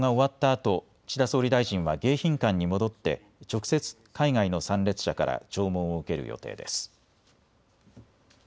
あと岸田総理大臣は迎賓館に戻って直接、海外の参列者から弔問を受ける予定です。